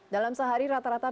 dalam sehari rata rata